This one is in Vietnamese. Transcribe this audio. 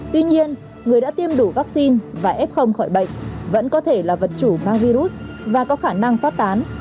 tuy nhiên người đã tiêm đủ vaccine và f khỏi bệnh vẫn có thể là vật chủ mang virus và có khả năng phát tán